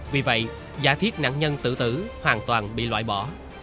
vì vậy giả thiết nạn nhân tử tử hoàn toàn bị loại bỏ